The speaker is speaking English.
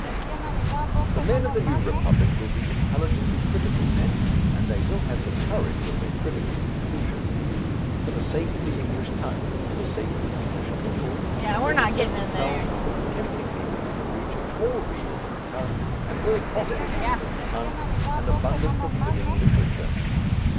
The men of the New Republic will be intelligently critical men, and they will have the courage of their critical conclusions. For the sake of the English tongue, for the sake of the English peoples, they will set themselves to put temptingly within the reach of all readers of the tongue, and all possible readers of the tongue, an abundance of living literature.